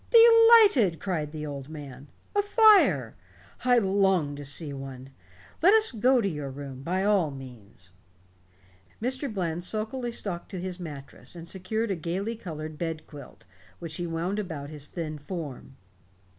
"Delighted," cried the old man. "A fire. I long to see one. Let us go to your room, by all means." Mr. Bland sulkily stalked to his mattress and secured a gaily colored bed quilt, which he wound about his thin form.